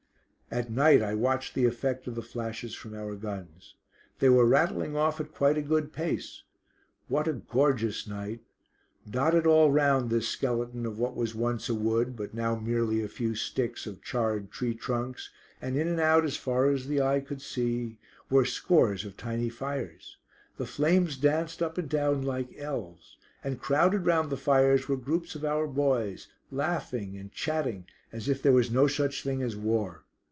At night I watched the effect of the flashes from our guns. They were rattling off at quite a good pace. What a gorgeous night! Dotted all round this skeleton of what was once a wood, but now merely a few sticks of charred tree trunks, and in and out as far as the eye could see, were scores of tiny fires. The flames danced up and down like elves, and crowded round the fires were groups of our boys, laughing and chatting as if there was no such thing as war.